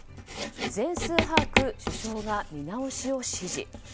全数把握、首相が見直しを指示。